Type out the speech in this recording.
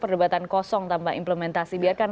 perdebatan kosong tanpa implementasi biarkan